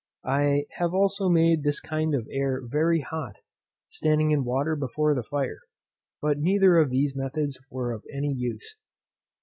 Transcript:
I have also made this kind of air very hot, standing in water before the fire. But neither of these methods were of any use.